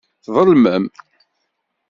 Tḍelmem.